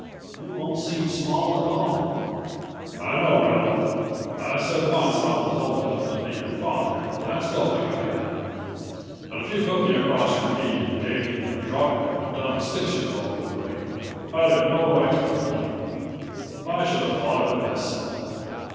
"It won't seem small at all." "I know, Ralph. I said once I was old enough to be your father and I still think I am. But if you put me across your knee and gave me the drubbing a dumb six year old would rate I'd have no right to complain. I should have thought of it myself."